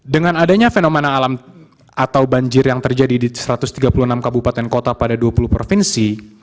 dengan adanya fenomena alam atau banjir yang terjadi di satu ratus tiga puluh enam kabupaten kota pada dua puluh provinsi